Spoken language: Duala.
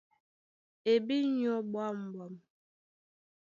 E bí nyɔ̀í ɓwǎmɓwam.